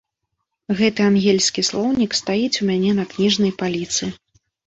Гэты ангельскі слоўнік стаіць у мяне на кніжнай паліцы.